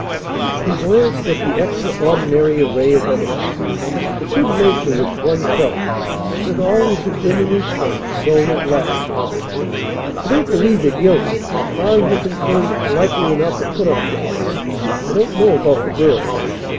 He glanced at the extraordinary array of evidence. The good nature which, one felt, should always have been in his face, shone at last. "I don't believe you're guilty. As far as you're concerned it's likely enough a put up job. I don't know about the girl.